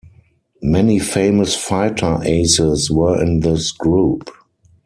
Many famous fighter aces were in this group.